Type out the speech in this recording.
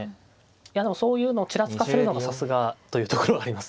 いやでもそういうのをちらつかせるのがさすがというところはありますね。